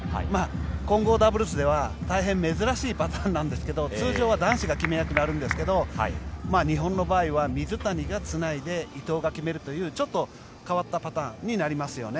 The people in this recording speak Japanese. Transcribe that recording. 混合ダブルスでは大変珍しいパターンなんですが通常は男子が決め役になるんですが日本の場合は、水谷がつないで伊藤が決めるというちょっと変わったパターンになりますよね。